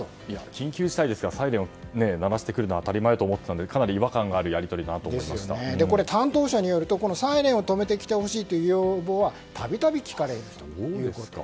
緊急事態ですからサイレンを鳴らして来るのは当たり前だと思っていたのでかなり違和感があるこれ、担当者によるとサイレンを止めて来てほしいという要望は度々聞かれるということです。